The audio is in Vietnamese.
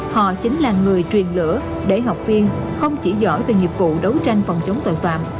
họ chính là người truyền lửa để học viên không chỉ giỏi về nghiệp vụ đấu tranh phòng chống tội phạm